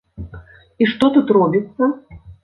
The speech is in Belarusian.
І што тут робіцца!